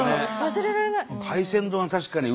忘れられない。